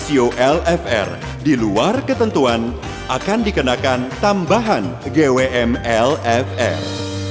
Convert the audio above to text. rasio lfr di luar ketentuan akan dikenakan tambahan gwm lfr